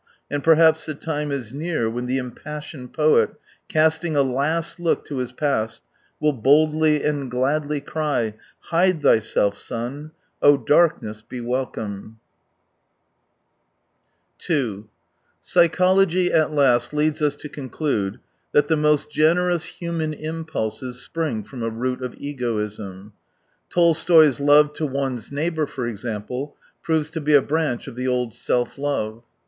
And perhaps the time is near when the impassioned poet, casting a last look to his past, will boldly and gladly cry : Hide thyself, sun ,' darkness, be welcome ! 135 2 Psychology at last leads us to conclude that the most generous human impulses spring from a root of egoism. Tolstoy's " love to one's neighbour," for example, proves to be a branch of the old self love.